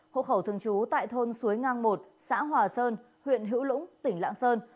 hộ khẩu thường trú tại thôn suối ngang một xã hòa sơn huyện hữu lũng tỉnh lạng sơn